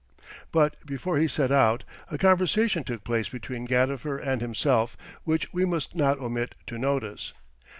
But before he set out, a conversation took place between Gadifer and himself, which we must not omit to notice.